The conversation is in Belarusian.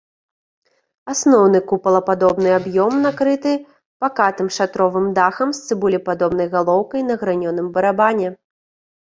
Асноўны кубападобны аб'ём накрыты пакатым шатровым дахам з цыбулепадобнай галоўкай на гранёным барабане.